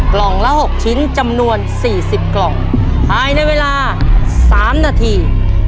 กล่องละหกชิ้นจำนวนสี่สิบกล่องหายในเวลาสามนาที